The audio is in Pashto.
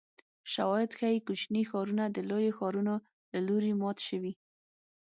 شواهد ښيي کوچني ښارونه د لویو ښارونو له لوري مات شوي